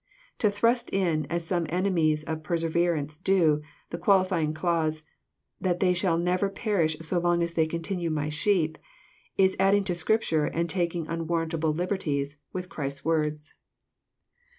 To thrust in, as some enemies of perse verance do, the qualifying clause, " they shall never perish so long as they continue my sheep," Is adding to Scripture, and taking un« warrantable liberties with Christ's words. 212 EXPOSITOBT THOUGHTS.